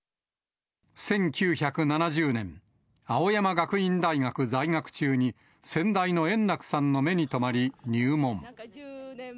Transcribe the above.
１９７０年、青山学院大学在学中に、先代の圓楽さんの目に留まり、入門。